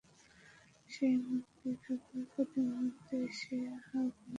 সে মুক্তই, কেবল প্রতি মুহূর্তে সে তাহা ভুলিয়া যায়।